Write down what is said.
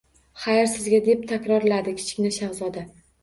— Xayr sizga, — deb takrorladi Kichkina shahzoda.